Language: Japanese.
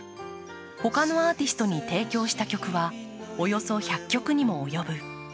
他のアーティストに提供した曲はおよそ１００曲にも及ぶ。